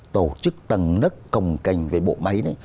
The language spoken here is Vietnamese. tổ chức tầng nức cồng cành về bộ máy đấy